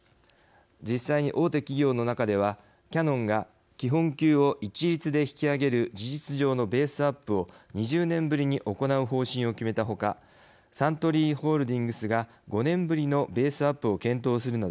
実際に大手企業の中ではキヤノンが、基本給を一律で引き上げる事実上のベースアップを２０年ぶりに行う方針を決めた他サントリーホールディングスが５年ぶりのベースアップを検討するなど